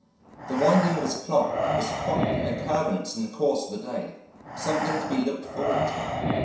The winding of his clock was quite an occurrence in the course of the day, something to be looked forward to.